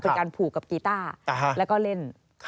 เป็นการผูกกับกีต้าแล้วก็เล่น